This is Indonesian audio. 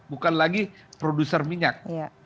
bukan lagi produser minyak